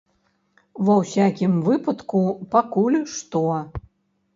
Ва ўсякім выпадку, пакуль што.